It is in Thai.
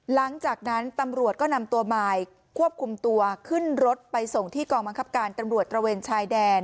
หลังจากนั้นตำรวจก็นำตัวมายควบคุมตัวขึ้นรถไปส่งที่กองบังคับการตำรวจตระเวนชายแดน